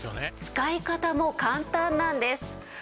使い方も簡単なんです。